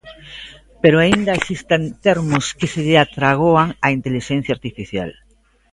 Pero aínda existen termos que se lle atragoan á intelixencia artificial.